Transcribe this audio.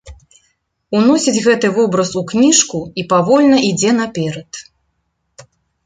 Уносіць гэты вобраз у кніжку і павольна ідзе наперад.